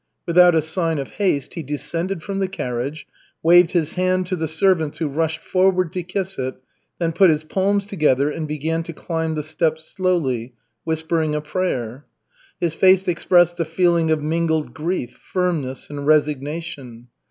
Without a sign of haste, he descended from the carriage, waved his hand to the servants who rushed forward to kiss it, then put his palms together, and began to climb the steps slowly, whispering a prayer. His face expressed a feeling of mingled grief, firmness, and resignation.